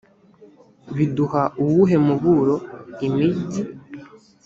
biduha uwuhe muburo imig